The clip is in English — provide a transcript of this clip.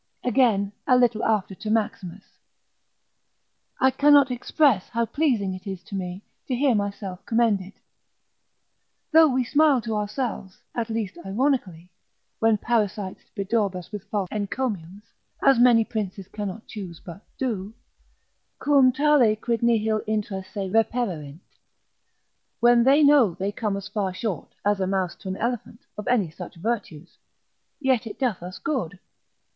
Again, a little after to Maximus, I cannot express how pleasing it is to me to hear myself commended. Though we smile to ourselves, at least ironically, when parasites bedaub us with false encomiums, as many princes cannot choose but do, Quum tale quid nihil intra se repererint, when they know they come as far short, as a mouse to an elephant, of any such virtues; yet it doth us good.